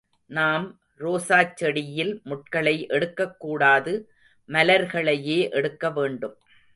நாம் ரோசாச் செடியில் முட்களை எடுக்கக் கூடாது மலர்களையே எடுக்க வேண்டும்.